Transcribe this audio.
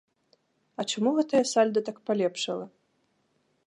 А чаму гэтае сальда так палепшала?